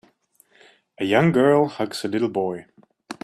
a young girl hugs a little boy.